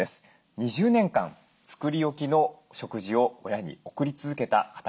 ２０年間作り置きの食事を親に送り続けた方がいます。